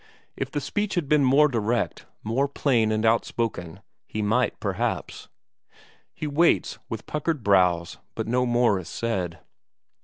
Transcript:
If the speech had been more direct, more plain and outspoken, he might perhaps ... He waits, with puckered brows, but no more is said.